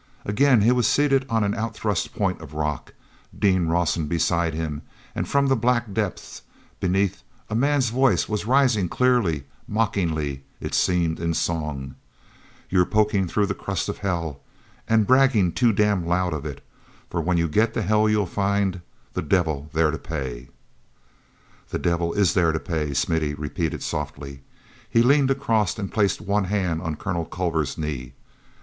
Again he was seated on an outthrust point of rock, Dean Rawson beside him, and from the black depths beneath a man's voice was rising clearly, mockingly it seemed, in song: "You're pokin' through the crust of hell And braggin' too damn loud of it, For, when you get to hell, you'll find The devil there to pay!" "The devil is there to pay," Smithy repeated softly. He leaned across and placed one hand on Colonel Culver's knee.